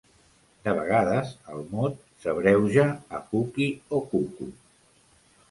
De vegades el mot s'abreuja a "cookie" o "coo-koo".